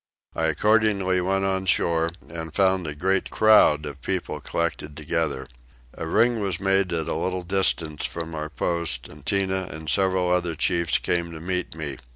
I accordingly went on shore and found a great crowd of people collected together. A ring was made at a little distance from our post, and Tinah and several other chiefs came to meet me.